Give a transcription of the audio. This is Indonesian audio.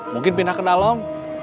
mungkin pindah ke dalem